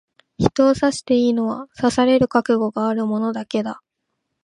人を刺していいのは、刺される覚悟がある者だけだ。